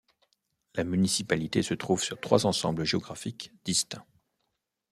La municipalité se trouve sur trois ensembles géographiques distincts.